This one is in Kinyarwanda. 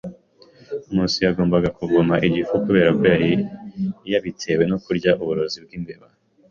Nkusi yagombaga kuvoma igifu kubera ko yari yabitewe no kurya uburozi bwimbeba.